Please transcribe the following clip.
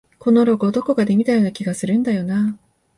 このロゴ、どこかで見たような気がするんだよなあ